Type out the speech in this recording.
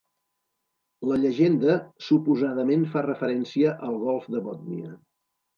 La llegenda suposadament fa referència al Golf de Bòtnia.